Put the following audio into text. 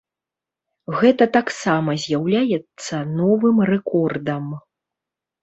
Гэта таксама з'яўляецца новым рэкордам.